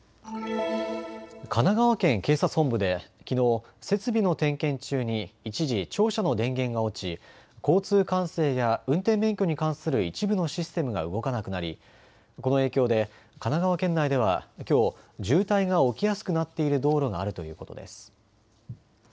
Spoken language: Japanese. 神奈川県警察本部できのう設備の点検中に一時庁舎の電源が落ち、交通管制や運転免許に関する一部のシステムが動かなくなり、この影響で神奈川県内ではきょう渋滞が起きやすくなっている道路があるということです。